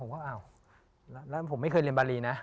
ว่าอ้าวแล้วผมไม่เคยเรียนบารีนะ